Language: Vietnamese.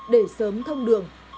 để sớm thông đường